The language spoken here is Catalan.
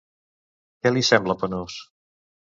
Què li sembla penós?